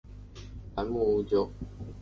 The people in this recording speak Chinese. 白木乌桕为大戟科乌桕属下的一个种。